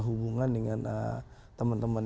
hubungan dengan teman teman